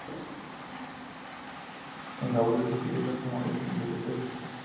Un favor de ese tipejo es como recibir el beso de Judas